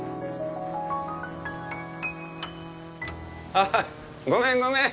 あごめんごめん。